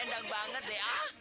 endang banget deh ah